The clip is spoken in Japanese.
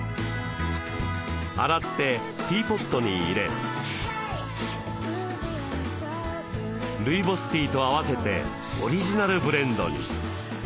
洗ってティーポットに入れルイボスティーと合わせてオリジナルブレンドに。